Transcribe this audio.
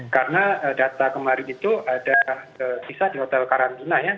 karena data kemarin itu ada kisah di hotel karantina ya